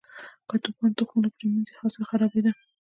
که توپان تخمونه پرې منځي، حاصل خرابېده.